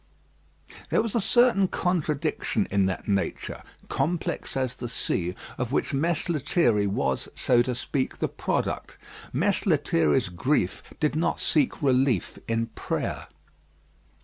There was a certain contradiction in that nature, complex as the sea, of which Mess Lethierry was, so to speak, the product. Mess Lethierry's grief did not seek relief in prayer.